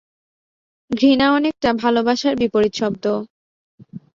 ঘৃণা অনেকটা ভালোবাসার বিপরীত শব্দ।